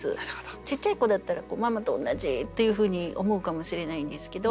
ちっちゃい子だったら「ママと同じ！」っていうふうに思うかもしれないんですけど